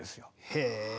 へえ。